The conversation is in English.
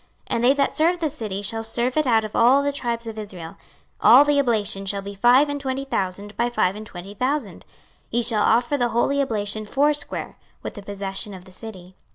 26:048:019 And they that serve the city shall serve it out of all the tribes of Israel. 26:048:020 All the oblation shall be five and twenty thousand by five and twenty thousand: ye shall offer the holy oblation foursquare, with the possession of the city.